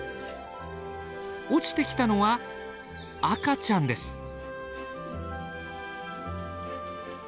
落ちてきたのは赤ちゃんです。